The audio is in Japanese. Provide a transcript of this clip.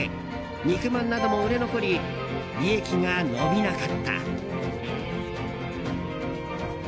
肉まんなども売れ残り利益が伸びなかった。